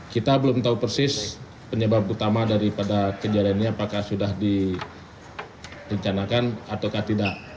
kita belum tahu persis penyebab utama daripada kejadian ini apakah sudah direncanakan atau tidak